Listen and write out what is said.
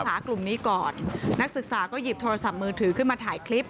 กลุ่มนี้ก่อนนักศึกษาก็หยิบโทรศัพท์มือถือขึ้นมาถ่ายคลิป